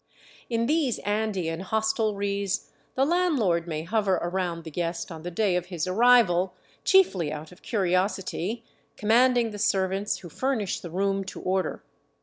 In these Andean hostelries the land lord may hover around the guest on the day of his arrival, chiefly out of curiosity, commanding the servants who furnish the room to order.